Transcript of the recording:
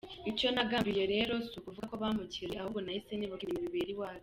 Icyo nagambiriye rero si ukuvuga ko bamurekuye ahubwo nahise nibuka ibintu bibera iwacu.